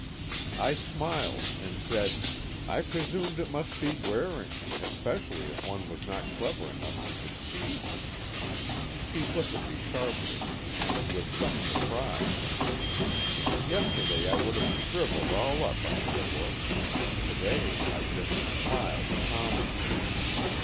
I smiled and said, "I presumed it must be wearing especially if one was not clever enough to succeed." She looked at me sharply, and with some surprise. Yesterday I would have shrivelled all up under the look. To day I just smiled calmly.